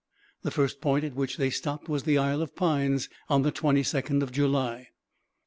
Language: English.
The first point at which they stopped was the Isle of Pines, on the 22nd July.